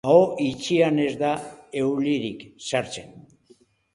Aho itxian ez da eulirik sartzen.